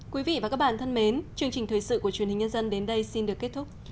quý vị và các bạn thân mến chương trình thời sự của truyền hình nhân dân đến đây xin được kết thúc